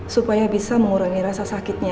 supaya bisa mengurangi rasa sakitnya